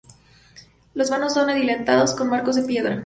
Los vanos son adintelados con marcos de piedra.